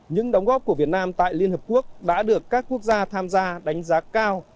những đóng góp của việt nam tại liên hợp quốc đã được các quốc gia tham gia đánh giá cao